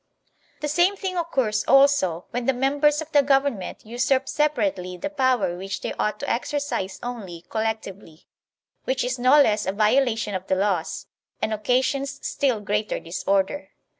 The same thing occurs also when the members of the government usurp separately the power which they ought to exercise only collectively; which is no less a violation of the laws, and occasions still greater disorder.